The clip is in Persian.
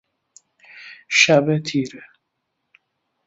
شب تیره